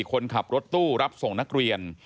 คนขับรถตู้รับส่งนักเรียน